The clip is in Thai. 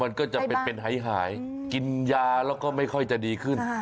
มันก็จะเป็นหายกินยาแล้วก็ไม่ค่อยจะดีขึ้น